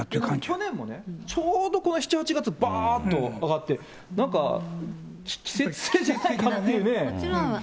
去年もね、ちょうどこの７、８月、ばーっと上がって、なんか季節性じゃないかっていうね。